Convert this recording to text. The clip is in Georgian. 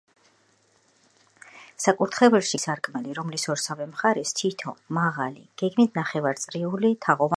საკურთხეველში გაჭრილია არქიტრავული სარკმელი, რომლის ორსავე მხარეს თითო, მაღალი, გეგმით ნახევარწრიული, თაღოვანი ნიშია.